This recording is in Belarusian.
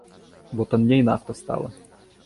Бо танней нафта стала.